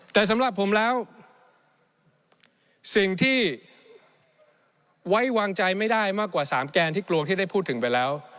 แต่สำหรับผมแล้วสิ่งที่ไว้วางใจไม่ได้มากกว่า๓แกนที่กลัวที่ได้พูดถึงไปแล้ว